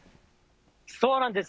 そうなんです。